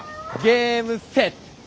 ゲームセット！